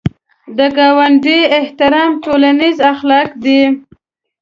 د ګاونډي احترام ټولنیز اخلاق دي